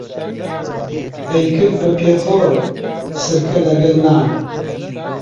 ئەیکرد بە پێخۆر سرکە لەگەڵ نان